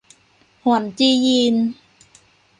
หวนจียีน